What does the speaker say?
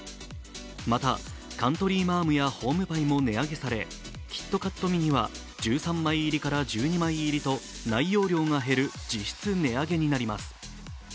またカントリーマアムやホームパイも値上げされキットカットミニは１３枚入りから１２枚入りと内容量が減る、実質値上げになります。